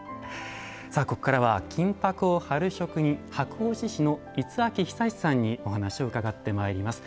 さあここからは金箔を貼る職人箔押師の五明久さんにお話を伺ってまいります。